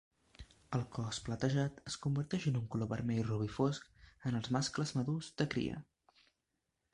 El cos platejat es converteix en un color vermell robí fosc en els mascles madurs de cria.